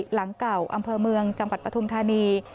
หลังเก่าอำเภอเมืองจังหวัดปฐุมธานี